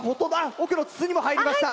奥の筒にも入りました。